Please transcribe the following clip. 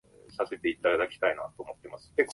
出来立てアツアツのあじフライをいただく